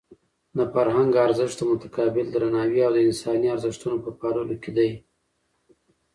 د فرهنګ ارزښت د متقابل درناوي او د انساني ارزښتونو په پاللو کې دی.